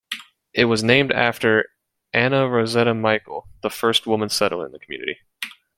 It was named after "An"na Ros"eta" Mitchell, the first woman settler in the community.